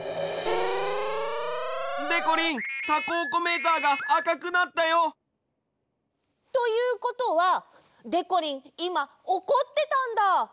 でこりんタコおこメーターがあかくなったよ！ということはでこりんいまおこってたんだ。